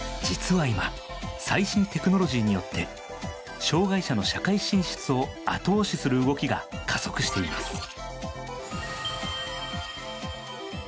実は今最新テクノロジーによって障害者の社会進出を後押しする動きが加速しています。